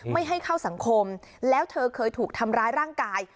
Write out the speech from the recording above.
ไม่ให้เข้าสังคมแล้วเธอเคยถูกทำร้ายร่างกาย